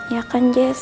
ya kan jess